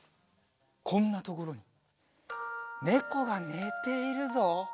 こんなところにねこがねているぞ。